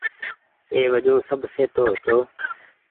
اي وجون سب سهيتو هيتو۔